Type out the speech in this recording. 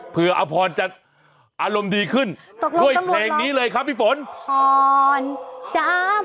เผื่ออพรจะอารมณ์ดีขึ้นด้วยเพลงนี้เลยครับพี่ฝนตกลงตำรวจร้อง